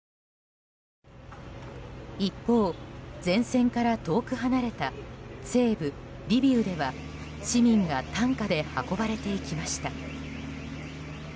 一方、前線から遠く離れた西部リビウでは市民が担架で運ばれていきました。